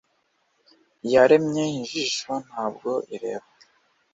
iyaremye ijisho ntabwo ireba